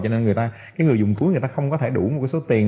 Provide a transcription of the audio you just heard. cho nên người ta cái người dùng cuối người ta không có thể đủ một cái số tiền